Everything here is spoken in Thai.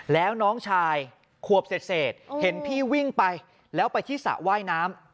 แล้วน้องชายขวบเศษเห็นพี่วิ่งไปแล้วไปที่สระว่ายน้ำ